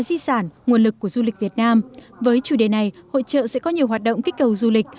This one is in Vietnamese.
di sản nguồn lực của du lịch việt nam với chủ đề này hội trợ sẽ có nhiều hoạt động kích cầu du lịch